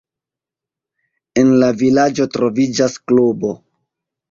En la vilaĝo troviĝas klubo.